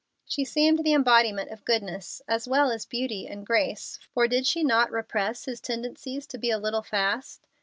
She seemed the embodiment of goodness, as well as beauty and grace, for did she not repress his tendencies to be a little fast?